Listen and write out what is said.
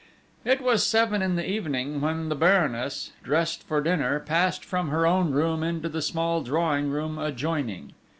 It was seven in the evening when the Baroness, dressed for dinner, passed from her own room into the small drawing room adjoining.